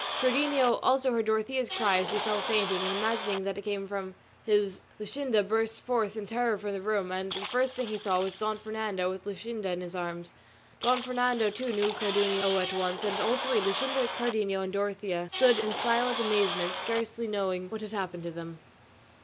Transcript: Cardenio also heard Dorothea's cry as she fell fainting, and imagining that it came from his Luscinda burst forth in terror from the room, and the first thing he saw was Don Fernando with Luscinda in his arms. Don Fernando, too, knew Cardenio at once; and all three, Luscinda, Cardenio, and Dorothea, stood in silent amazement scarcely knowing what had happened to them.